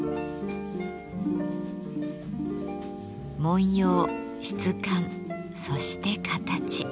文様質感そして形。